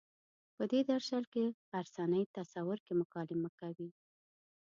په دې درشل کې غرڅنۍ تصور کې مکالمه کوي.